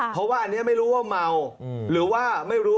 หรือว่าเมาหรือว่าไม่รู้